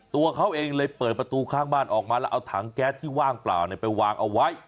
ตัวเขาเองเลยเปิดประตูข้างบ้านออกมาแล้วเอาถังแก๊สที่ว่างเปล่าไปวางเอาไว้